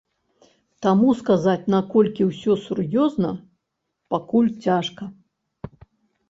Таму сказаць, наколькі ўсё сур'ёзна, пакуль цяжка.